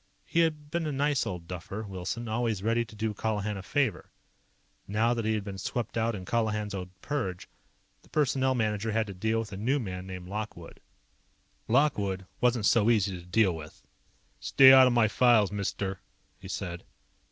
He had been a nice old duffer, Wilson, always ready to do Colihan a favor. Now that he had been swept out in Colihan's own purge, the Personnel Manager had to deal with a new man named Lockwood. Lockwood wasn't so easy to deal with. "Stay out of my files, mister," he said.